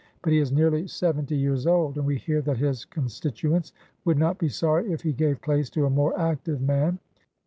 But he is nearly seventy years old, and we hear that his constituents would not be sorry if he gave place to a more active man.